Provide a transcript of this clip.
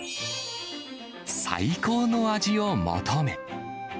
最高の味を求め。